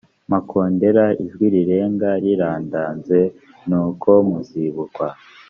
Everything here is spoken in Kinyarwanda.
makondera ijwi rirenga rirandaze nuko muzibukwa